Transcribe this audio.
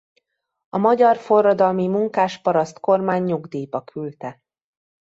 A Magyar Forradalmi Munkás-Paraszt Kormány nyugdíjba küldte.